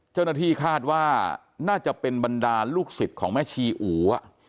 เจ้าหน้าที่คาดว่าน่าจะเป็นบรรดาลูกศิษย์ของแม่ชีอูอ่ะ